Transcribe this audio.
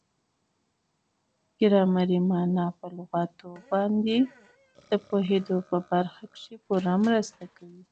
ګرامري مانا په لغاتو باندي د پوهېدو په برخه کښي پوره مرسته کوي.